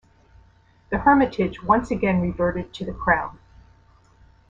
The Hermitage once again reverted to the Crown.